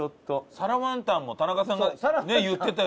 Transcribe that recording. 皿ワンタンも田中さんがね言ってたやつ。